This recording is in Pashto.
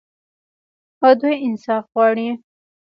او دوی انصاف غواړي.